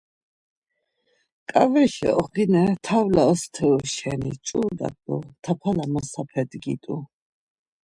Ǩaveşi oğune t̆avli osteru şeni ç̌ut̆a do tapala masape dgit̆u.